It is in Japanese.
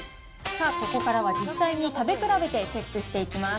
さあ、ここからは実際に食べ比べてチェックしていきます。